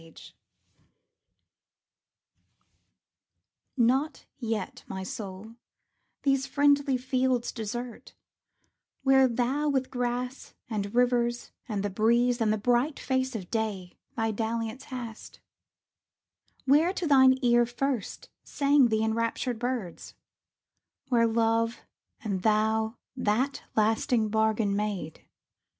XXIV NOT yet, my soul, these friendly fields desert, Where thou with grass, and rivers, and the breeze, And the bright face of day, thy dalliance hadst; Where to thine ear first sang the enraptured birds; Where love and thou that lasting bargain made.